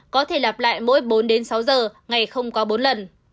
có thể lặp lại mỗi bốn đến sáu giờ ngày không có bốn lần